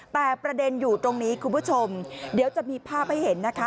แต่ประเด็นอยู่ตรงนี้คุณผู้ชมเดี๋ยวจะมีภาพให้เห็นนะคะ